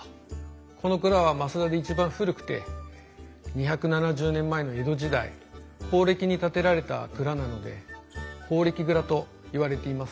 この蔵は増田で一番古くて２７０年前の江戸時代宝暦に建てられた蔵なので宝暦蔵といわれています。